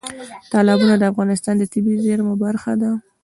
تالابونه د افغانستان د طبیعي زیرمو برخه ده.